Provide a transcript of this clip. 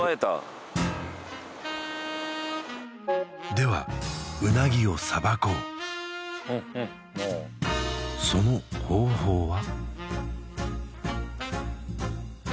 ではうなぎを捌こうその方法は？